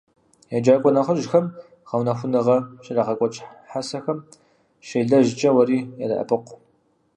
ЕджакӀуэ нэхъыжьхэм гъэунэхуныгъэ щрагъэкӀуэкӀ хьэсэхэм щелэжькӀэ уэри ядэӀэпыкъу.